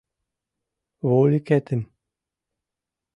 — Вольыкетым...